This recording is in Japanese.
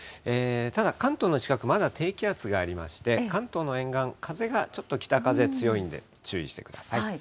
ただ、関東の近く、まだ低気圧がありまして、関東の沿岸、風がちょっと北風強いんで、注意してください。